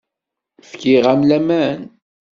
Fkiɣ-am laman.